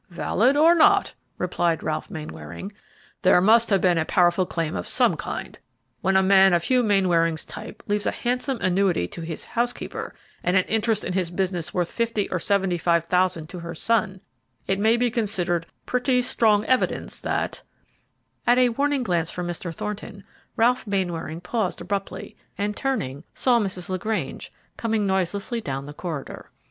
"Valid or not," replied Ralph Mainwaring, "there must have been a powerful claim of some kind. When a man of Hugh Mainwaring's type leaves a handsome annuity to his housekeeper, and an interest in his business worth fifty or seventy five thousand to her son, it may be considered pretty strong evidence that " At a warning glance from Mr. Thornton, Ralph Mainwaring paused abruptly and, turning, saw Mrs. LaGrange coming noiselessly down the corridor.